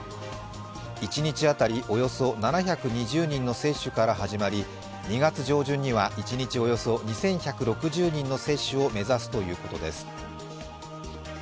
一日当たり、およそ７２０人の接種から始まり２月上旬には一日およそ２１６０人の接種を目指すということです。